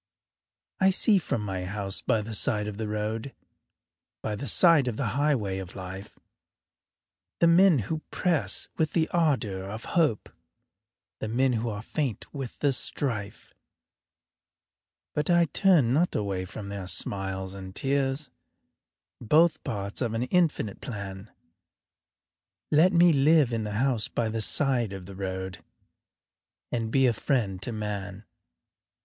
I see from my house by the side of the road By the side of the highway of life, The men who press with the ardor of hope, The men who are faint with the strife, But I turn not away from their smiles and tears, Both parts of an infinite plan Let me live in a house by the side of the road And be a friend to man.